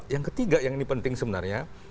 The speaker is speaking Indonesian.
yang ketiga yang ini penting sebenarnya